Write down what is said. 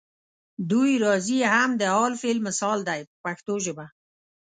دوی راځي هم د حال فعل مثال دی په پښتو ژبه.